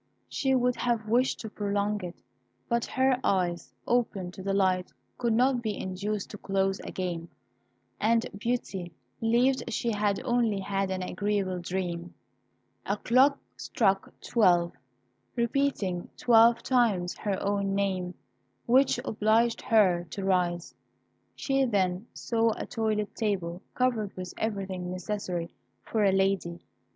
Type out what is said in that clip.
She would have wished to prolong it, but her eyes, open to the light, could not be induced to close again, and Beauty believed she had only had an agreeable dream. A clock struck twelve, repeating twelve times her own name, which obliged her to rise. She then saw a toilet table covered with everything necessary for a lady.